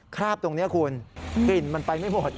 คราบตรงนี้คุณกลิ่นมันไปไม่หมด